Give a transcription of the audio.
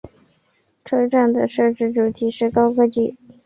车站的设计主题是高科技。